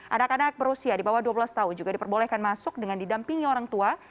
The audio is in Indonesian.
anak anak berusia di bawah dua belas tahun juga diperbolehkan masuk dengan didampingi orang tua